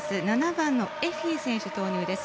７番のエフィー選手投入です。